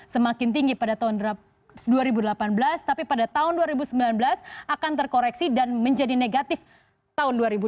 semakin tinggi pada tahun dua ribu delapan belas tapi pada tahun dua ribu sembilan belas akan terkoreksi dan menjadi negatif tahun dua ribu dua puluh